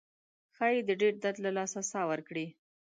ښایي د ډیر درد له لاسه ساه ورکړي.